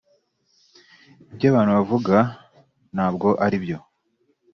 ibyo abantu bavuga ntabwo ari byo